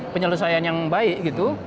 penyelesaian yang baik gitu